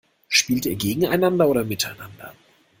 Spielt ihr gegeneinander oder miteinander?